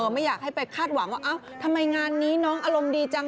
ไม่อยากให้ไปคาดหวังว่าเอ้าทำไมงานนี้น้องอารมณ์ดีจัง